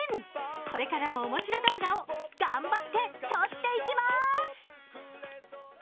これからも面白動画を頑張って撮っていきます。